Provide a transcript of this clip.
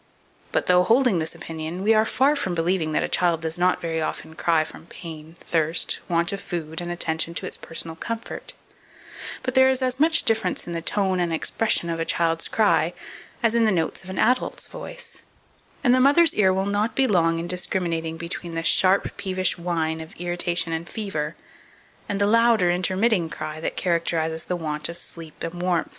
But though holding this opinion, we are far from believing that a child does not very often cry from pain, thirst, want of food, and attention to its personal comfort; but there is as much difference in the tone and expression of a child's cry as in the notes of an adult's voice; and the mother's ear will not be long in discriminating between the sharp peevish whine of irritation and fever, and the louder intermitting cry that characterizes the want of warmth and sleep.